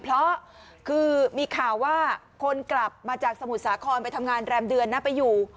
เพราะคือมีข่าวว่าคนกลับมาจากสมุทรสาครไปทำงานแรมเดือนนะไปอยู่